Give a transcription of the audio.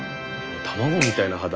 卵みたいな肌。